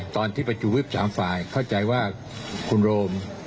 ตอนที่ประชุมวิบ๓ฝ่ายเข้าใจว่าคุณโรม